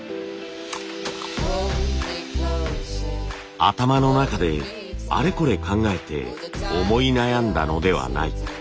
頭の中であれこれ考えて思い悩んだのではない。